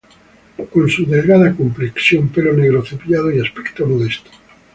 Con su delgada complexión, pelo negro cepillado, y aspecto modesto.